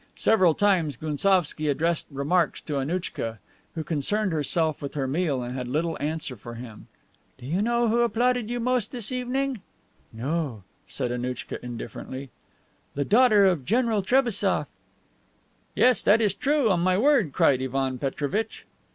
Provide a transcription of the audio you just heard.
Several times Gounsovski addressed remarks to Annouchka, who concerned herself with her meal and had little answer for him. "Do you know who applauded you the most this evening?" "No," said Annouchka indifferently. "The daughter of General Trebassof." "Yes, that is true, on my word," cried Ivan Petrovitch.